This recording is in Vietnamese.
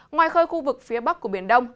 ngoài khơi khu vực phía bắc của biển đông